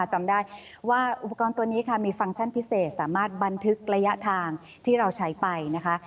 จำได้ว่าอุปกรณ์ตัวนี้ค่ะมีฟังก์พิเศษสามารถบันทึกระยะทางที่เราใช้ไปนะคะ